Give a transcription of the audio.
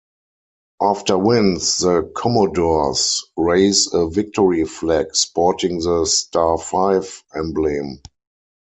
After wins the Commodores raise a victory flag sporting the "Star Five" emblem.